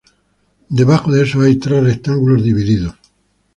Debajo de eso hay tres rectángulos divididos.